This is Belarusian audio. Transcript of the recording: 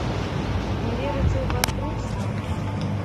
Не верыце ў банкруцтва?